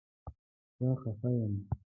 زه خفه یم